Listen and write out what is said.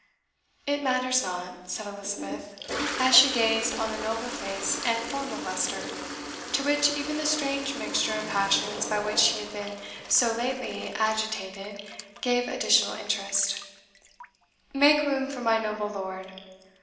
"It matters not," said Elizabeth, as she gazed on the noble face and form of Leicester, to which even the strange mixture of passions by which he had been so lately agitated gave additional interest; "make room for my noble lord.